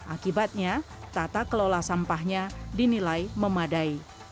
akibatnya tata kelola sampahnya dinilai memadai